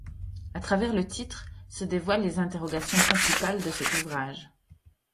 À travers le titre se dévoilent les interrogations principales de cet ouvrage.